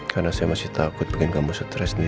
karena saya masih takut bikin kamu stress nin